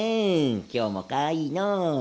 今日もかわいいのう。